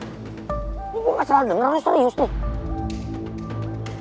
gue gak salah denger lo serius nih